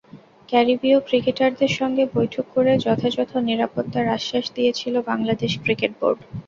ক্যারিবীয় ক্রিকেটারদের সঙ্গে বৈঠক করে যথাযথ নিরাপত্তার আশ্বাস দিয়েছিল বাংলাদেশ ক্রিকেট বোর্ড।